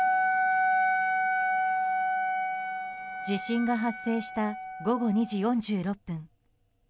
地震が発生した午後２時４６分。